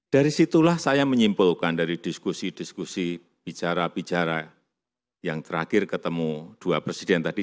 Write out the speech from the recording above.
dari situlah saya menyimpulkan dari diskusi diskusi bicara bicara yang terakhir ketemu dua presiden tadi